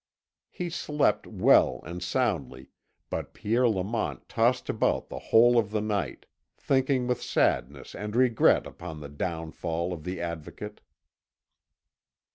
He slept well and soundly, but Pierre Lamont tossed about the whole of the night, thinking with sadness and regret upon the downfall of the Advocate.